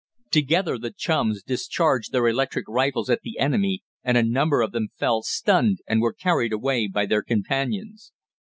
Together the chums discharged their electric rifles at the enemy and a number of them fell, stunned, and were carried away by their companions.